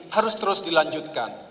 harus terus dilanjutkan